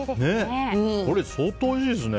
これ、相当おいしいですね。